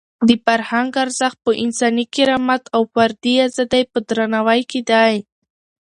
د فرهنګ ارزښت په انساني کرامت او د فردي ازادۍ په درناوي کې دی.